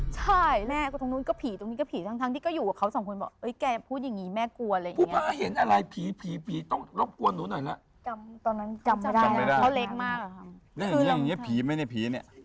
จำตอนนั้นจำไม่ได้